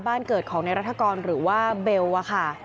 บ้านเกิดของในรัฐกรหรือว่าเบลอะค่ะ